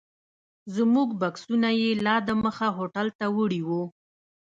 زموږ بکسونه یې لا دمخه هوټل ته وړي وو.